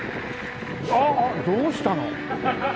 ああどうしたの？